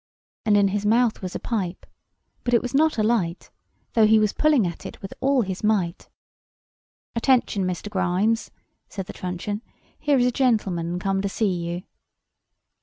And in his mouth was a pipe; but it was not a light; though he was pulling at it with all his might. [Picture: Tom and Grimes] "Attention, Mr. Grimes," said the truncheon; "here is a gentleman come to see you."